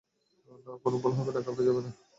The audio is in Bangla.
না, কোন ভুল হবে না, ঘাবড়ে যাবে না।